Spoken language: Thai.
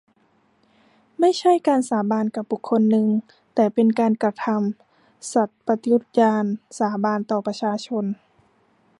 ไม่ใช่การสาบานกับบุคคลคนหนึ่ง แต่เป็นการกระทำสัตย์ปฏิญาณสาบานต่อประชาชน